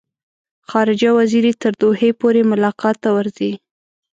خارجه وزیر یې تر دوحې پورې ملاقات ته ورځي.